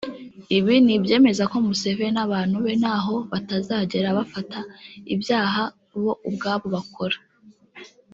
Ibi ni ibyemeza ko Museveni n’abantu be ntaho batazagera bafata ibyaha bo ubwabo bakora